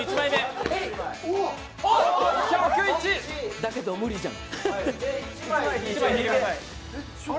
だけど無理じゃん。